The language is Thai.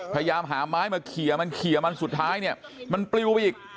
พยายามหาไม้มาเคลียร์มันเขียมันสุดท้ายเนี่ยมันปลิวไปอีก